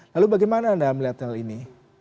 lalu bagaimana anda melihat hal ini